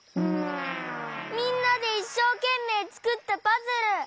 みんなでいっしょうけんめいつくったパズル！